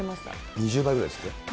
２０倍ぐらいですって？